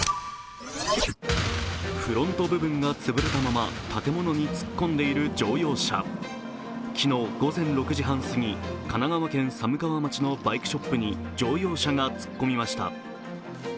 フロント部分がつぶれたまま昨日午前６時半過ぎ、神奈川県寒川町のバイクショップに乗用車が突っ込みました。